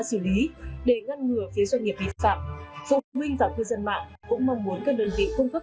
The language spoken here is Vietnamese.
xử lý để ngăn ngừa phía doanh nghiệp vi phạm phụ huynh và cư dân mạng cũng mong muốn các đơn vị cung cấp